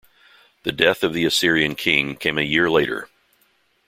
The death of the Assyrian king came a year later.